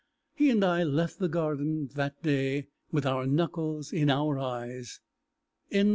He and I left the Gardens that day with our knuckles in our eyes. XIV.